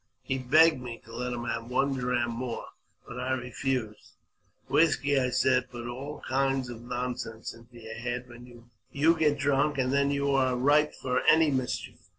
He begged me to let him have one dram more, but I refused. "Whisky," I said, "puts all kinds of nonsense into your head ; you get drunk, and then you are ripe for any mischief."